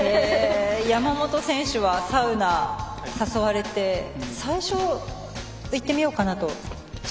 山本選手はサウナ誘われて最初、行ってみようかなと？